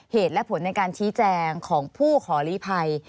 เหตุและผลในการชี้แจงของผู้ขอลีภัย